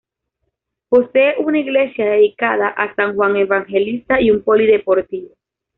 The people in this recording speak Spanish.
Posee una iglesia dedicada a San Juan Evangelista y un polideportivo.